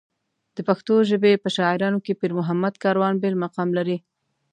د پښتو ژبې په شاعرانو کې پېرمحمد کاروان بېل مقام لري.